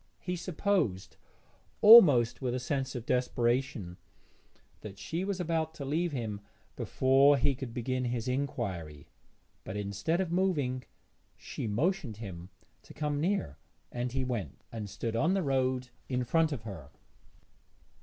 He supposed, almost with a sense of desperation, that she was about to leave him before he could begin his inquiry, but instead of moving she motioned him to come near, and he went, and stood on the road in front of her.